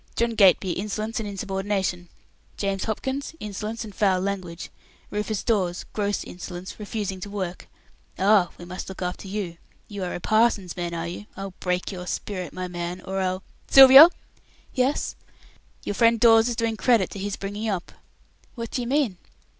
John Gateby, insolence and insubordination. James Hopkins, insolence and foul language. Rufus Dawes, gross insolence, refusing to work. Ah! we must look after you. You are a parson's man now, are you? I'll break your spirit, my man, or I'll Sylvia!" "Yes." "Your friend Dawes is doing credit to his bringing up." "What do you mean?"